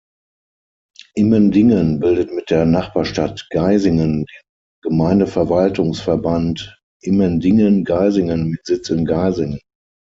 Immendingen bildet mit der Nachbarstadt Geisingen den "Gemeindeverwaltungsverband „Immendingen-Geisingen“" mit Sitz in Geisingen.